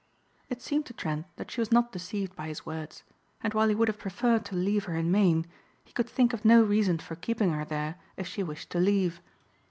It seemed to Trent that she was not deceived by his words; and while he would have preferred to leave her in Maine he could think of no reason for keeping her there if she wished to leave.